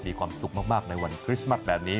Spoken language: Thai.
มีความสุขมากในวันคริสต์มัสแบบนี้